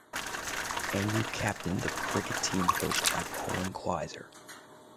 Andrew captained the cricket team coached by Colin Kleiser.